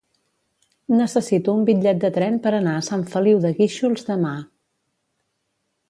Necessito un bitllet de tren per anar a Sant Feliu de Guíxols demà.